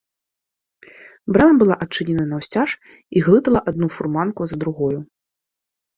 Брама была адчынена наўсцяж і глытала адну фурманку за другою.